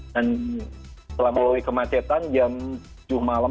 dan selama mulai kemacetan jam tujuh malam